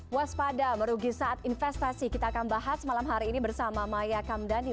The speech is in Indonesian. waspada merugi saat investasi kita akan bahas malam hari ini bersama maya kamdhani